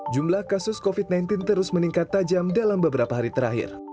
jumlah kasus covid sembilan belas terus meningkat tajam dalam beberapa hari terakhir